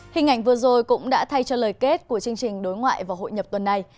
hình ảnh vừa rồi cũng đã thay cho lời kết của chương trình đối ngoại và hội nhập tuần này